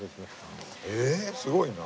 ええすごいな。